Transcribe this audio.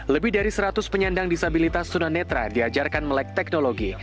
lebih dari seratus penyandang disabilitas tunanetra diajarkan melek teknologi